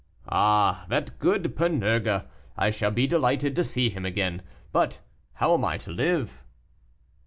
"Ah! that good Panurge; I shall be delighted to see him again. But how am I to live?"